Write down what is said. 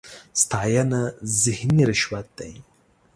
ستاېنه ذهني رشوت دی.